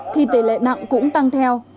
thì tỷ lệ nặng cũng tăng theo